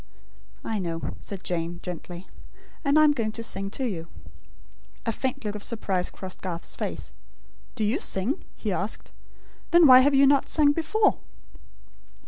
"I know," said Jane, gently; "and I am going to sing to you." A faint look of surprise crossed Garth's face. "Do you sing?" he asked. "Then why have you not sung before?"